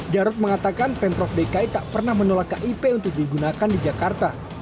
jarod mengatakan pemprov dki tak pernah menolak kip untuk digunakan di jakarta